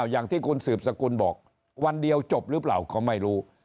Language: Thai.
อย่างที่คุณสืบสกุลบอกวันเดียวจบหรือเปล่าก็ไม่รู้